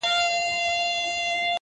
زما د هر شعر نه د هري پيغلي بد راځي.